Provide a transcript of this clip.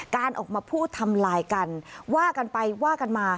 การออกมาพูดทำลายกันว่ากันไปว่ากันมา